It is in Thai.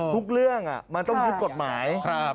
ทุกเรื่องมันต้องยึดกฎหมาย